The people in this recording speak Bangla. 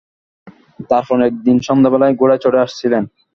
তারপর একদিন সন্ধ্যাবেলা ঘোড়ায় চড়ে আসছিলেন।